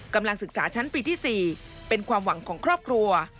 กำลังศึกษาชั้นปีที่๔เป็นความหวังของครอบครัว